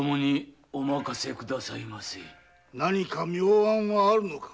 何か妙案はあるのか？